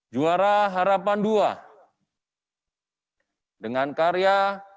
juara harapan dua dengan karya